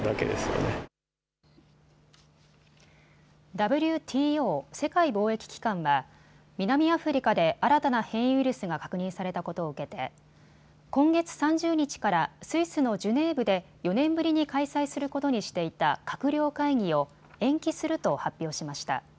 ＷＴＯ・世界貿易機関は南アフリカで新たな変異ウイルスが確認されたことを受けて今月３０日からスイスのジュネーブで４年ぶりに開催することにしていた閣僚会議を延期すると発表しました。